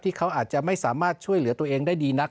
เขาอาจจะไม่สามารถช่วยเหลือตัวเองได้ดีนัก